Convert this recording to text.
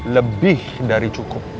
lebih dari cukup